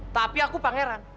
tapi aku pangeran